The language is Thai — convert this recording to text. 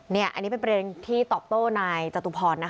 อันนี้เป็นประเด็นที่ตอบโต้นายจตุพรนะคะ